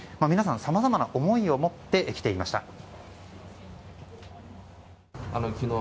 皆さん、さまざまな思いを持って来ていました。